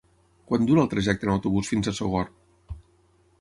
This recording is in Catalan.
Quant dura el trajecte en autobús fins a Sogorb?